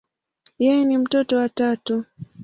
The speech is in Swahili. Yeye ni mtoto wa tatu.